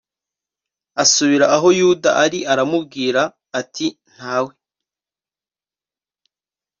asubira aho yuda ari aramubwira ati ntawe